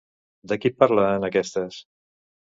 De qui parla en aquestes?